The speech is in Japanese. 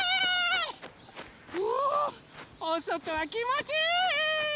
うわおそとはきもちいい！